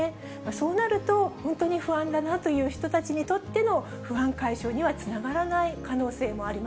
そうなると、本当に不安だなという人たちにとっての不安解消にはつながらない